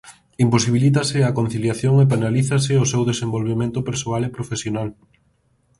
Imposibilítase a conciliación e penalízase o seu desenvolvemento persoal e profesional.